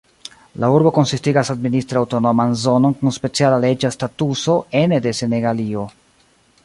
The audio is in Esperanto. La urbo konsistigas administre aŭtonoman zonon kun speciala leĝa statuso ene de Senegalio.